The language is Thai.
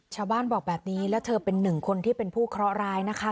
ชาวบ้านบอกแบบนี้แล้วเธอเป็นหนึ่งคนที่เป็นผู้เคราะห์ร้ายนะคะ